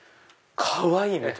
かわいい！